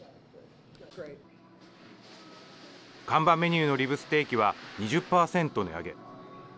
看板メニューのリブステーキは２０％値上げ。